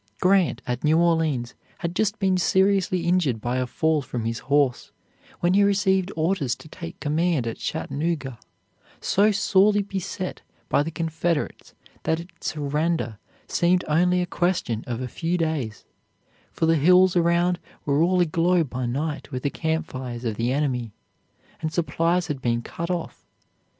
Grant at New Orleans had just been seriously injured by a fall from his horse, when he received orders to take command at Chattanooga, so sorely beset by the Confederates that its surrender seemed only a question of a few days; for the hills around were all aglow by night with the camp fires of the enemy, and supplies had been cut off.